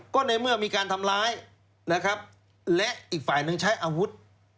ก็ในเมื่อมีการทำร้ายนะครับและอีกฝ่ายหนึ่งใช้อาวุธ